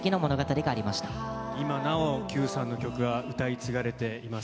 今なお、九さんの曲が歌い継がれています。